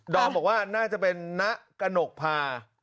ดอมบอกว่าน่าจะเป็นนกนกพา